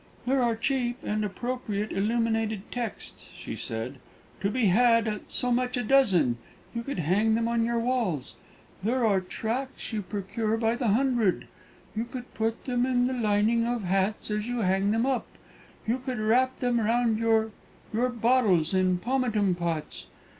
"There are cheap and appropriate illuminated texts," she said, "to be had at so much a dozen; you could hang them on your walls. There are tracts you procure by the hundred; you could put them in the lining of hats as you hang them up; you could wrap them round your your bottles and pomatum pots.